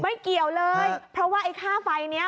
ไม่เกี่ยวเลยเพราะว่าไอ้ค่าไฟนี้